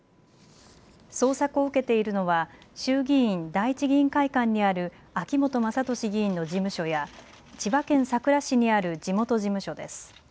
捜索を受けているのは衆議院第一議員会館にある秋本真利議員の事務所や千葉県佐倉市にある地元事務所です。